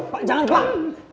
pak jangan pak